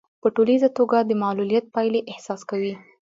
په ټولیزه توګه د معلوليت پايلې احساس کوي.